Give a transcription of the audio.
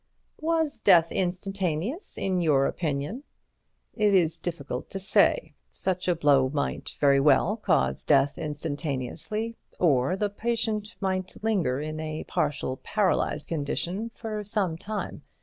"Was death instantaneous, in your opinion?" "It is difficult to say. Such a blow might very well cause death instantaneously, or the patient might linger in a partially paralyzed condition for some time.